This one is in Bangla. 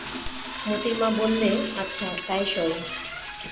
মোতির মা বললে, আচ্ছা, তাই সই।